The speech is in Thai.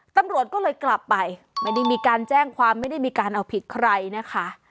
ตำรวจก็เลยกลับไปไม่ได้มีการแจ้งความไม่ได้มีการเอาผิดใครนะคะ